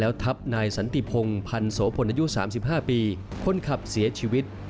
แล้วทับนายสันติพงพันธ์โสพลอายุ๓๕ปีคนขับเสียชีวิต